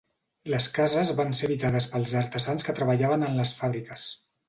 Les cases van ser habitades pels artesans que treballaven en les fàbriques.